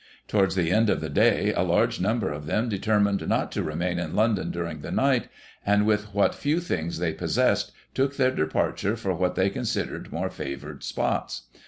To wards the end of the day, a large number of them determined not to remain in London during the night, and, with what few things they possessed, took their departure for what they con sidered more favoured spots.